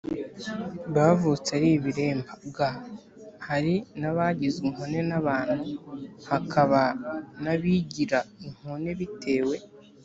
Bavutse ari ibiremba g hari n abagizwe inkone n abantu hakaba n abigira inkone bitewe